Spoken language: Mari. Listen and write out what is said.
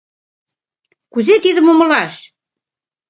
— Кузе тидым умылаш?